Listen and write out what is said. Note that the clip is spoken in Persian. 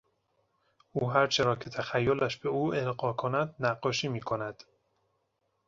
او هرچه را که تخیلش به او القا کند نقاشی میکند.